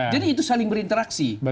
jadi itu saling berinteraksi